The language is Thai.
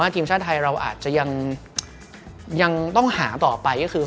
ทีมชาติไทยเราอาจจะยังต้องหาต่อไปก็คือ